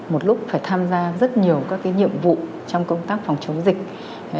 một lúc phải tham gia rất nhiều các nhiệm vụ trong công tác phòng chống dịch